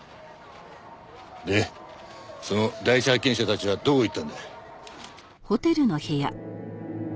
でその第一発見者たちはどこ行ったんだ？